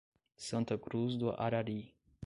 Santa Cruz do Arari